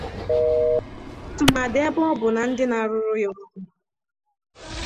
tumadị ebe Ọ bụ na ndị na-arụrụ ya ọrụ